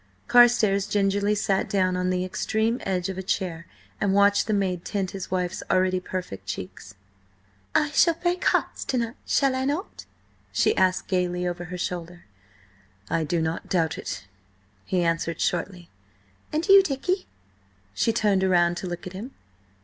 Carstares gingerly sat down on the extreme edge of a chair and watched the maid tint his wife's already perfect cheeks. "I shall break hearts to night, shall I not?" she asked gaily, over her shoulder. "I do not doubt it," he answered shortly. "And you, Dicky?" She turned round to look at him.